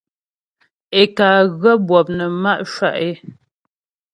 Ě ká ghə́ bwɔp nə má' shwá' é.